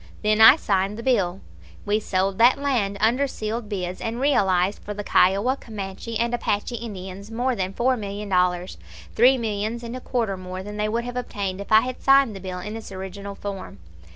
Then I signed the bill. We sold that land under sealed bids, and realized for the Kiowa, Comanche, and Apache Indians more than four million dollars three millions and a quarter more than they would have obtained if I had signed the bill in its original form.